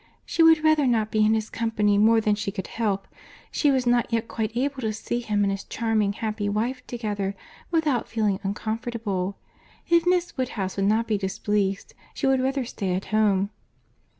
"She would rather not be in his company more than she could help. She was not yet quite able to see him and his charming happy wife together, without feeling uncomfortable. If Miss Woodhouse would not be displeased, she would rather stay at home."